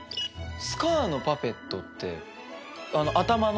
スカーのパペットってあの頭の？